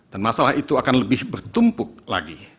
dan masalah itu akan lebih bertumpuk lagi